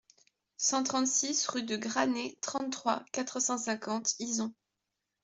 cent trente-six rue de Graney, trente-trois, quatre cent cinquante, Izon